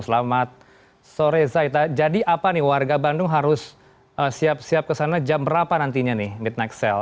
selamat sore zaita jadi apa nih warga bandung harus siap siap ke sana jam berapa nantinya nih midnight sale